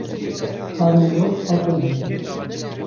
kerên wan hatin dizîn